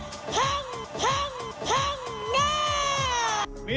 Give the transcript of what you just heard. เกิดเกิดคิด